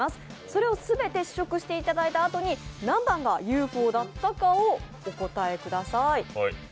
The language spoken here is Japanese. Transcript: それを全て試食していただいたあとに何番がＵ．Ｆ．Ｏだったかをお当てください。